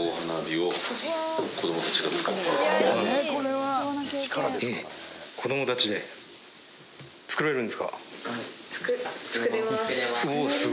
子供たちで作れるんですか⁉作れます。